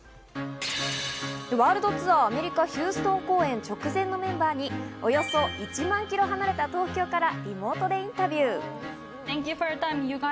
ワールドツアーアメリカ・ヒューストン公演直前のメンバーに、およそ１万キロ離れた東京からリモートでインタビュー。